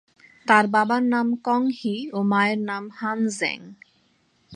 তার বাবার নাম কং হি ও মায়ের নাম হান ঝেঙ।